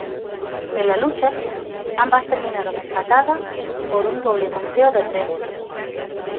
En la lucha, ambas terminaron empatadas por un doble conteo de tres.